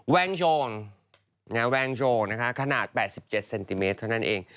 วงโชงแวงโชนะคะขนาด๘๗เซนติเมตรเท่านั้นเอง